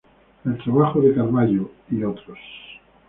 El trabajo de Carvalho "et al.